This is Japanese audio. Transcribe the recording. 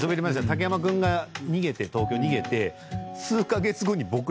竹山君が逃げて東京に逃げて。